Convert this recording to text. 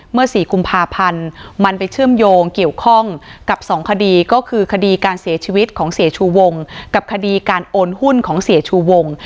๔กุมภาพันธ์มันไปเชื่อมโยงเกี่ยวข้องกับ๒คดีก็คือคดีการเสียชีวิตของเสียชูวงกับคดีการโอนหุ้นของเสียชูวง